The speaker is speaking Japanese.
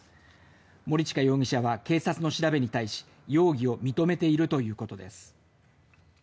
森近容疑者は警察の調べに対し容疑を認めているということです。